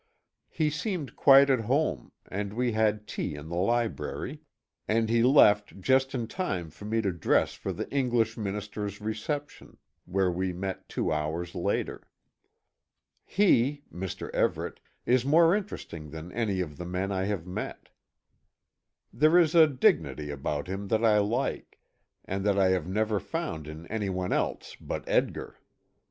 He seemed quite at home, and we had tea in the library, and he left just in time for me to dress for the English Minister's reception where we met two hours later. He Mr. Everet is more interesting than any of the men I have met. There is a dignity about him that I like, and that I have never found in anyone else but Edgar.